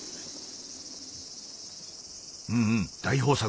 うんうん大豊作。